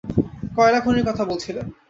কয়লা খনির কথা বলছিলেন।